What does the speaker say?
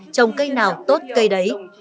trồng cây nào tốt cây đấy